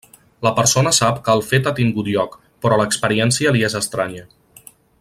La persona sap que el fet ha tingut lloc, però l'experiència li és estranya.